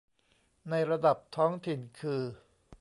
ในระดับท้องถิ่นคือ